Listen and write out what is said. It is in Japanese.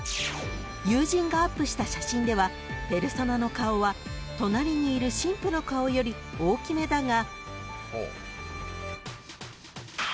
［友人がアップした写真ではペルソナの顔は隣にいる新婦の顔より大きめだが］